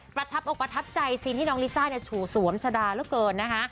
ประทับอกประทับใจซีนที่น้องลิซ่าเนี่ยฉู่สวมชะดาเหลือเกินนะคะ